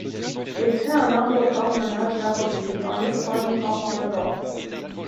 Il fut un important meneur jacobite, en Espagne comme en Europe.